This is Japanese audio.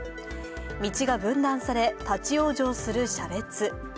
道が分断され立ち往生する車列。